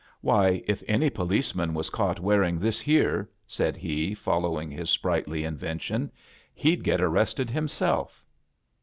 "Why, if any policeman was caught weaf in* this here," said he, following his spright ly invention, "he'd get arrested himself."